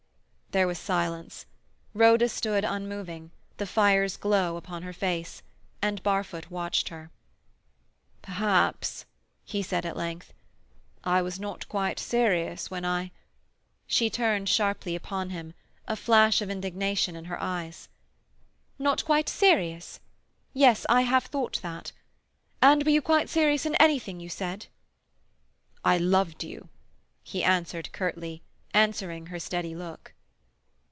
There was silence. Rhoda stood unmoving, the fire's glow upon her face, and Barfoot watched her. "Perhaps," he said at length, "I was not quite serious when I—" She turned sharply upon him, a flash of indignation in her eyes. "Not quite serious? Yes, I have thought that. And were you quite serious in anything you said?" "I loved you," he answered curtly, answering her steady look.